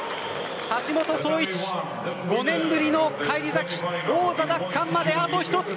橋本壮市、５年ぶりの返り咲き王座奪還まであと１つ！